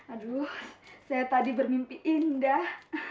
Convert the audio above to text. aduh saya tadi bermimpi indah